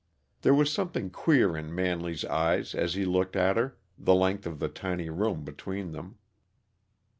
There was something queer in Manley's eyes as he looked at her, the length of the tiny room between them.